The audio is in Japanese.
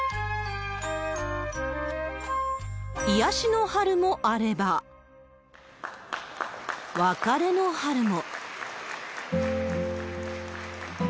癒やしの春もあれば、別れの春も。